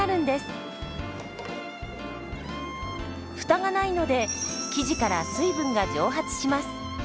フタがないので生地から水分が蒸発します。